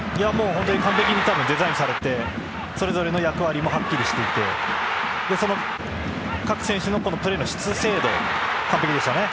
本当に完璧にデザインされてそれぞれの役割もはっきりしていて各選手のプレーの質、精度完璧でしたね。